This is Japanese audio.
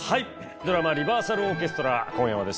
ドラマ『リバーサルオーケストラ』今夜はですね